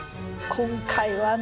今回はね